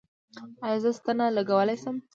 ایا زه ستنه لګولی شم؟